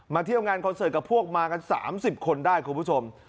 เที่ยวงานคอนเสิร์ตกับพวกมากัน๓๐คนได้คุณผู้ชม